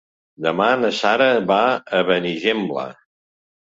Demà na Sara va a Benigembla.